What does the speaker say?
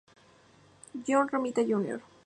John Romita Jr.